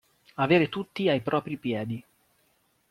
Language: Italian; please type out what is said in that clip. Avere tutti ai propri piedi.